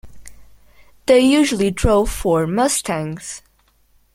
They usually drove Ford Mustangs.